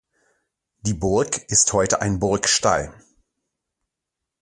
Die Burg ist heute ein Burgstall.